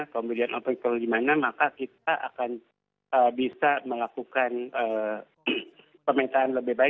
kemudian apa itu gimana maka kita akan bisa melakukan pemerintahan lebih baik